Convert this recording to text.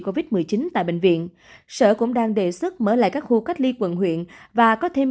covid một mươi chín tại bệnh viện sở cũng đang đề xuất mở lại các khu cách ly quận huyện và có thêm